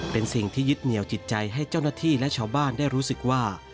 เป็นสิ่งที่ยึดเหนียวจิตใจให้เจ้าหน้าที่และชาวบ้านได้รู้สึกว่า